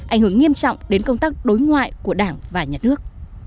ảnh hưởng nghiêm trọng đến công tác đối ngoại của đảng và nhà nước